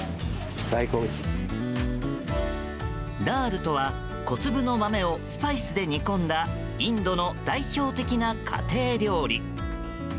ダールとは小粒の豆をスパイスで煮込んだインドの代表的な家庭料理。